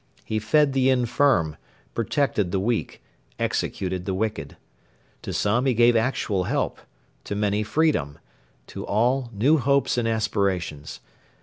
He fed the infirm, protected the weak, executed the wicked. To some he gave actual help, to many freedom, to all new hopes and aspirations.